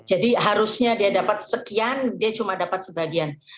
jadi harusnya dia dapat sekian dia cuma dapat sebagian